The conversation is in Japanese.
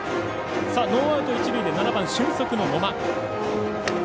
ノーアウト、一塁で７番俊足の野間。